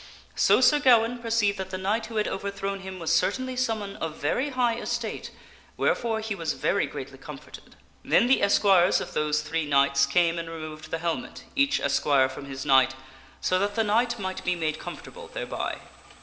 So Sir Gawaine per and sir Ewaine . come to the pa ceived that the knight who had overthrown him was certainly vilion of the someone of very high estate, wherefore he was very greatly Black Kni s^t. comforted. Then the esquires of those three knights came and removed the helmet, each esquire from his knight, so that the knight might be made comfortable thereby.